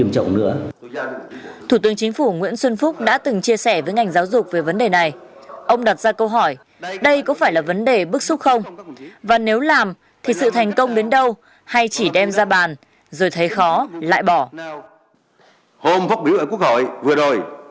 thủ tướng chính phủ nguyễn xuân phúc đã từng chia sẻ với ngành giáo dục về vấn đề này ông đặt ra câu hỏi đây có phải là vấn đề bức xúc không và nếu làm thì sự thành công đến đâu hay chỉ đem ra bàn rồi thấy khó lại bỏ